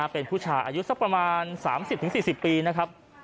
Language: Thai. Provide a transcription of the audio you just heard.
เป็นผู้ชายอายุสักประมาณ๓๐๔๐ปีนะครับ